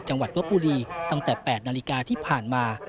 จังหวัดวปุรีตั้งแต่๘นาฬิกาที่ผ่านมา